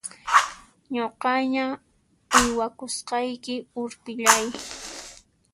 Nuqaña uywakusqayki urpillay!